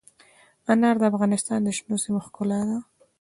انار د افغانستان د شنو سیمو ښکلا ده.